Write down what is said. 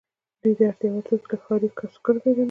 دوی د اړتیا وړ توکي له ښاري کسبګرو پیرل.